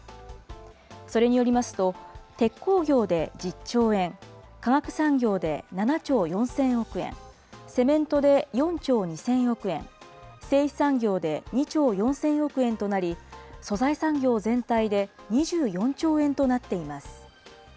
それによりますと、鉄鋼業で１０兆円、化学産業で７兆４０００億円、セメントで４兆２０００億円、製紙産業で２兆４０００億円となり、素材産業全体で２４兆円となっています。